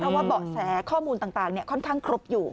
เพราะว่าเบาะแสข้อมูลต่างค่อนข้างครบอยู่